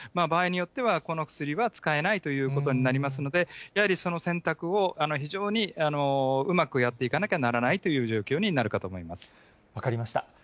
場合によっては、この薬は使えないということになりますので、やはりその選択を非常にうまくやっていかなきゃならないという状分かりました。